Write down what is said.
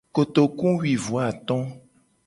Kotoku wi vo ato.